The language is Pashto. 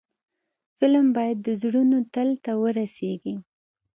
فلم باید د زړونو تل ته ورسیږي